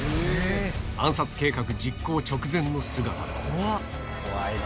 暗殺計画実行直前の姿だ。